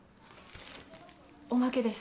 おまけです。